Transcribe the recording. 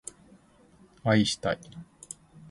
愛したい